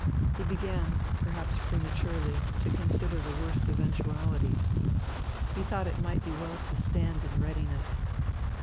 He began, perhaps prematurely, to consider the worst eventuality. He thought it might be well to stand in readiness.